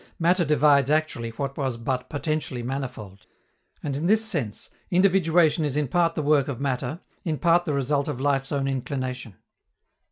Matter divides actually what was but potentially manifold; and, in this sense, individuation is in part the work of matter, in part the result of life's own inclination.